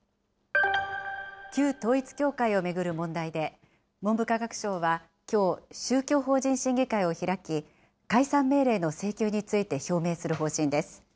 旧統一教会を巡る問題で、文部科学省はきょう、宗教法人審議会を開き、解散命令の請求について表明する方針です。